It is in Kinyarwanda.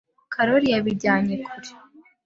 Karoli yabijyanye kure.